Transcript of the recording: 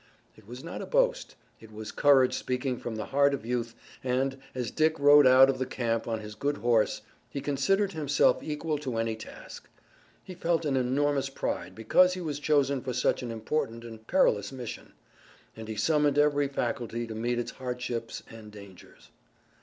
It was not a boast. It was courage speaking from the heart of youth and, as Dick rode out of the camp on his good horse, he considered himself equal to any task. He felt an enormous pride because he was chosen for such an important and perilous mission, and he summoned every faculty to meet its hardships and dangers.